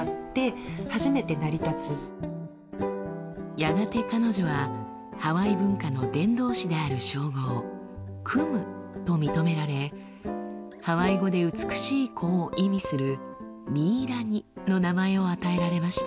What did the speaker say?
やがて彼女はハワイ文化の伝道師である称号「クム」と認められハワイ語で「美しい子」を意味する「ミイラニ」の名前を与えられました。